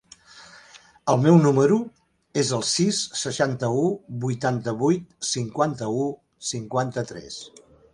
El meu número es el sis, seixanta-u, vuitanta-vuit, cinquanta-u, cinquanta-tres.